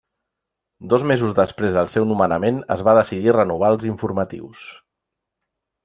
Dos mesos després del seu nomenament, es va decidir renovar els informatius.